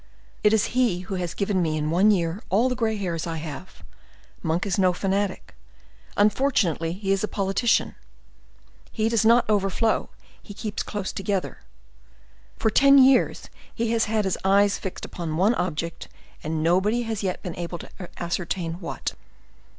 It is he who has given me, in one year, all the gray hairs I have. Monk is no fanatic; unfortunately he is a politician; he does not overflow, he keeps close together. For ten years he has had his eyes fixed upon one object, and nobody has yet been able to ascertain what.